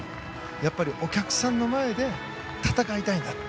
やっぱりお客さんの前で戦いたいんだと。